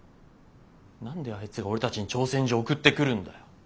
何であいつが俺たちに挑戦状送ってくるんだよ。